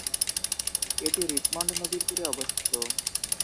এটি রিচমন্ড নদীর তীরে অবস্থিত।